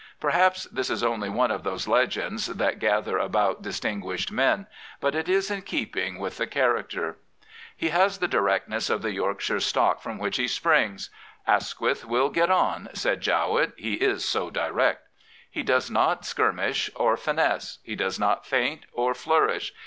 Perhaps this is only one of those legends that gather about dis tinguished men; but it is in keeping with the character. He has the directness of the Yorkshire stock from which he springs. " Asquith will get on," said Jowett, " he is so direct." He does not skinjpjsh or finesse. He does not feint or flourish.